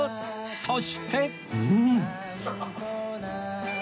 そして